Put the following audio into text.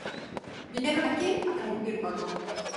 Viñeron aquí a transmitírnolo.